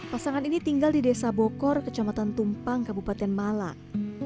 pasangan ini tinggal di desa bokor kecamatan tumpang kabupaten malang